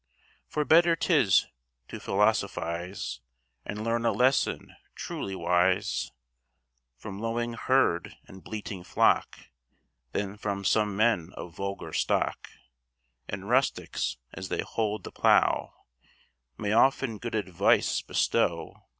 For better 'tis to philosophize, And learn a lesson truly wise From lowing herd and bleating flock, Than from some men of vulgar stock; And rustics, as they hold the plough, May often good advice bestow.